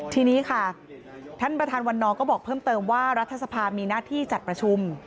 ทีนี้ค่ะท่านประธานวันนอก็บอกเพิ่มเติมว่ารัฐสภามีหน้าที่จัดประชุม